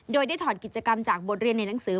โดยได้ถอดกิจกรรมจากบทเรียนในหนังสือ